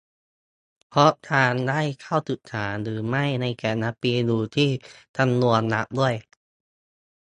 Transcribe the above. เพราะการได้เข้าศึกษาหรือไม่ในแต่ละปีอยู่ที่จำนวนรับด้วย